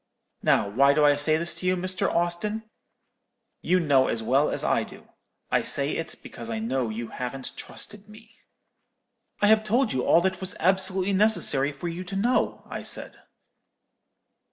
Now, why do I say this to you, Mr. Austin? You know as well as I do. I say it because I know you haven't trusted me.' "'I have told you all that was absolutely necessary for you to know,' I said.